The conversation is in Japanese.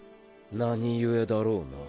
何故だろうな。